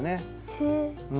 へえ。